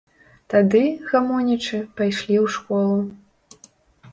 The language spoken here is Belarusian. Тады, гамонячы, пайшлі ў школу.